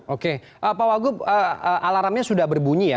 oke pak wagub alarmnya sudah berbunyi ya